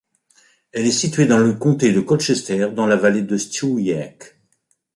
Elle est située dans le comté de Colchester dans la vallée de la Stewiacke.